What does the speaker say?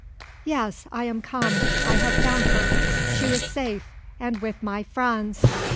Yes; I am come. I have found her! She is safe, and with my Franz!"